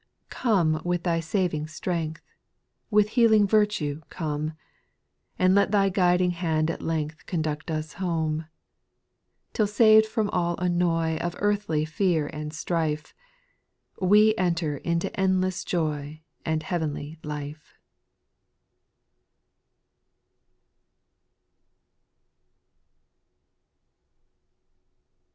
8. Come with Thy saving strength, With healing virtue come, And let Thy guiding hand at length Conduct us home : Till saved from all annoy Of earthly fear and strife, We enter into endless joy, And heavenly life.